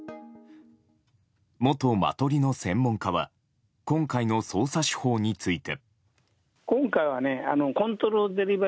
元マトリの専門家は今回の捜査手法について。